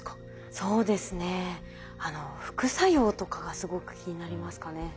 そうですね副作用とかがすごく気になりますかね。